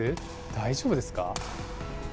大丈夫ですか？